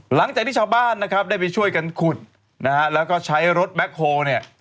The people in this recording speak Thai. หลังจากที่ชาวบ้านนะครับได้ไปช่วยกันขุดนะฮะแล้วก็ใช้รถแบ็คโฮลเนี่ย